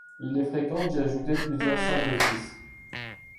Il est fréquent d'y ajouter plusieurs sortes d'épices.